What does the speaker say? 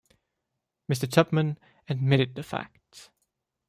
Mr. Tupman admitted the fact.